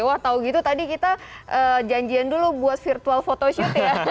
wah tau gitu tadi kita janjian dulu buat virtual photoshoot ya